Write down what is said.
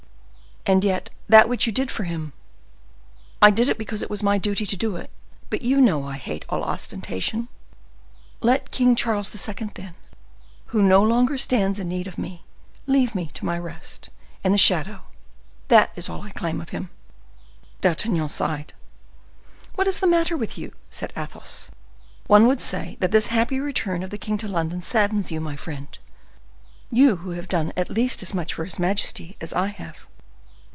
"And yet that which you did for him—" "I did it because it was my duty to do it. But you know I hate all ostentation. Let King Charles II., then, who no longer stands in need of me, leave me to my rest, and the shadow; that is all I claim of him." D'Artagnan sighed. "What is the matter with you?" said Athos. "One would say that this happy return of the king to London saddens you, my friend; you who have done at least as much for his majesty as I have."